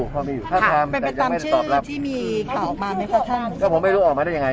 ก็มีอยู่ถ้าถามเราก็ไม่รู้ออกมาได้อย่างไร